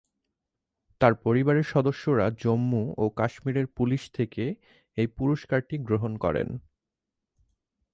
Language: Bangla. তাঁর পরিবারের সদস্যরা জম্মু ও কাশ্মীর পুলিশ থেকে এই পুরস্কারটি গ্রহণ করেন।